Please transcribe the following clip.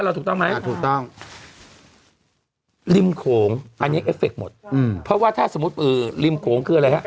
ลิ่มโค้งอันเนี้ยเอฟเฟคหมดอืมเพราะว่าถ้าสมมติอืมลิ่มโค้งคืออะไรฮะ